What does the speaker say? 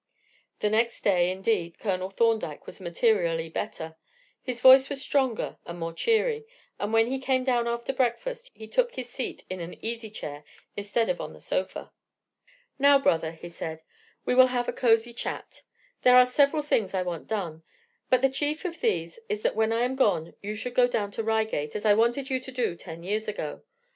The next day, indeed, Colonel Thorndyke was materially better. His voice was stronger and more cheery, and when he came down after breakfast he took his seat in an easy chair instead of on the sofa. "Now, brother," he said, "we will have a cozy chat. There are several things I want done, but the chief of these is that when I am gone you should go down to Reigate, as I wanted you to do ten years ago.